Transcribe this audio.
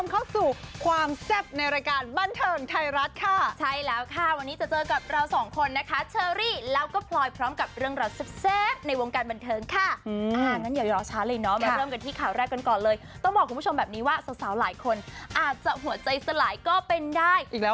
เอ้าบรรเทิงไทยรัฐแซ่บทุกสิ่งรู้จริงทุกเรื่องบรรเทิง